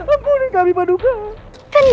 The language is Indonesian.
ampun ampun ampun